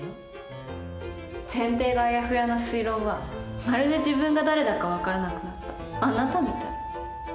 前提があやふやな推論はまるで自分が誰だか分からなくなったあなたみたい。